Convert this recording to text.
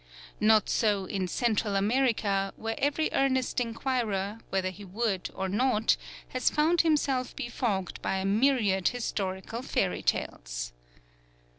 Not so in Central America, where every earnest inquirer, whether he would or not, has found himself befogged by a myriad historical fairy tales.